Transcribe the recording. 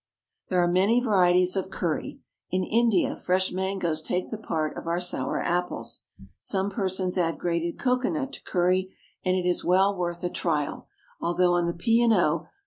There are many varieties of curry. In India fresh mangoes take the part of our sour apples. Some persons add grated cocoanut to curry, and it is well worth a trial, although on the P. and O.